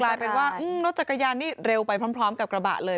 กลายเป็นว่ารถจักรยานนี่เร็วไปพร้อมกับกระบะเลย